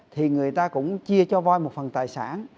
thì người ta cũng chia cho voi một phần tài sản